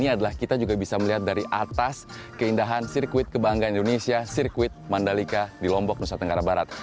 ini adalah kita juga bisa melihat dari atas keindahan sirkuit kebanggaan indonesia sirkuit mandalika di lombok nusa tenggara barat